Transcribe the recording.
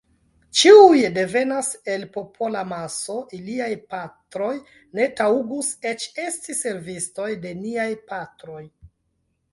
Ĉiuj devenas el popolamaso, iliaj patroj ne taŭgus eĉ esti servistoj de niaj patroj.